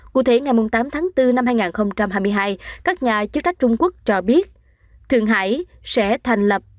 cụ thể ngày tám tháng bốn năm hai nghìn hai mươi hai các nhà chức trách trung quốc cho biết thượng hải sẽ thành lập